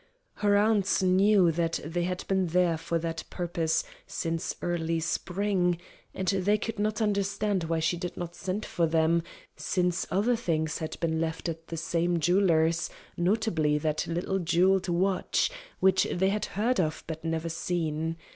Her aunts knew that they had been there for that purpose since early spring, and they could not understand why she did not send for them, since other things had been left at the same jeweler's notably that little jeweled watch, which they had heard of, but never seen.